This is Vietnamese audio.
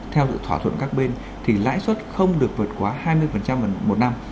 theo thỏa thuận các bên thì lãi suất không được vượt quá hai mươi một năm